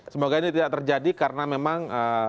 semoga ini tidak terjadi karena memang